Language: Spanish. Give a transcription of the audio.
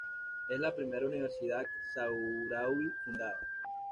Es la primera universidad saharaui fundada.